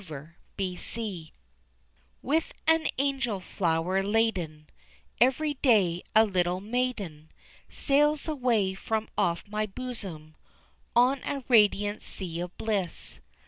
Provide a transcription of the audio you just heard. Dreamland With an angel flower laden, Every day a little maiden, Sails away from off my bosom On a radiant sea of bliss.